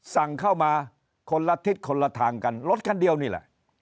สั่งเข้ามาคนละทิศคนละทางกันรถคันเดียวนี่แหละ